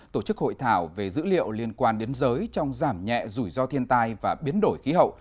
tổ chức hội thảo về dữ liệu liên quan đến giới trong giảm nhẹ rủi ro thiên tai và biến đổi khí hậu